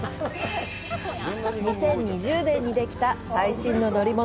２０２０年にできた最新の乗り物